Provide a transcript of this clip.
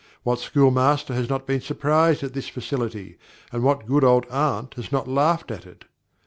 What school master has not been surprised at this facility, and what good old aunt has not laughed at it?